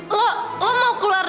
lo lo mau keluar